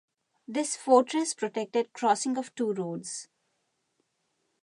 This fortress protected crossing of two roads.